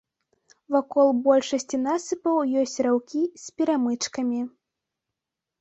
Вакол большасці насыпаў ёсць раўкі з перамычкамі.